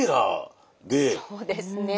そうですね。